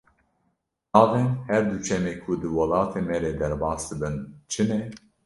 Navên her du çemê ku di welatê me re derbas dibin çi ne?